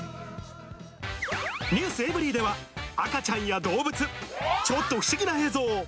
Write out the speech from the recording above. ｎｅｗｓｅｖｅｒｙ．では、赤ちゃんや動物、ちょっと不思議な映像を。